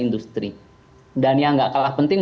industri dan yang gak kalah penting